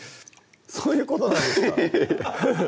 そういうことなんですか？